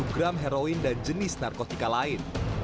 lima ratus delapan puluh satu gram heroin dan jenis narkotika lain